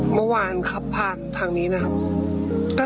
เมื่อวานขับผ่านทางนี้นะครับ